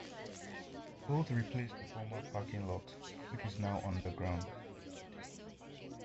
Both replace the former parking lot, which is now underground.